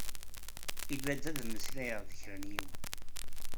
Ilad ad meslayeɣ d kra n yiwen.